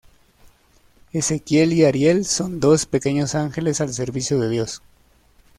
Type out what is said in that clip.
Ezequiel y Ariel son dos pequeños ángeles al servicio de Dios.